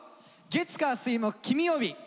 「月火水木君曜日」。